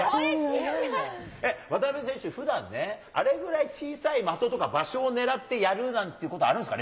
渡辺選手、ふだんね、あれぐらい小さい的とか、場所を狙ってやるなんていうことあるんですか？